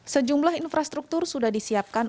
sejumlah infrastruktur sudah disiapkan